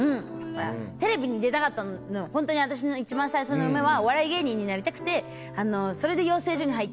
テレビに出たかったのはホントに私の一番最初の夢はお笑い芸人になりたくてそれで養成所に入って。